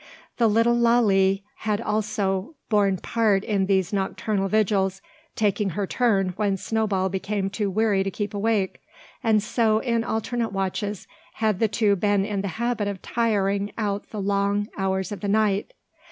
The little Lalee had also borne part in these nocturnal vigils, taking her turn when Snowball became too weary to keep awake; and so, in alternate watches, had the two been in the habit of tiring out the long hours of the night.